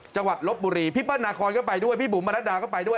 จังหวัดหลบบุรีพี่ปื๊นหนาคลก็ไปด้วยพี่ปุ๋มบรรดาก็ไปด้วย